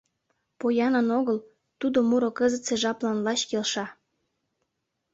— Поянын огыл, тудо муро кызытсе жаплан лач келша.